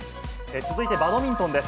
続いてバドミントンです。